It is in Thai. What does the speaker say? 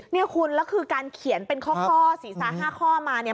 เนี่ยคุณแล้วคือการเขียนเป็นข้อศีรษะ๕ข้อมาเนี่ย